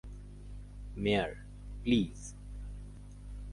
Mower, please!